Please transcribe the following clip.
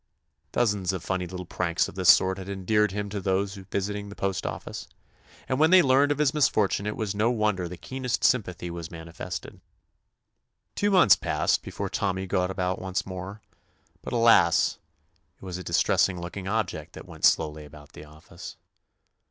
Dozens of funny little pranks of this sort had endeared him to those visiting the postoffice, and when they learned of his misfortune it was no wonder the keenest sympathy was nianifested. Two months passed before Tommy got about once more, but, alas I it was a distressing looking object that went slowly about the office.